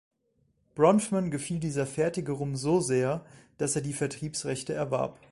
Bronfman gefiel dieser fertige Rum so sehr, dass er die Vertriebsrechte erwarb.